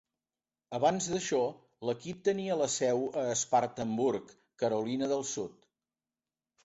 Abans d'això, l'equip tenia la seu a Spartanburg, Carolina del Sud.